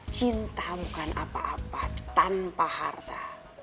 cinta bukan apa apa tanpa harta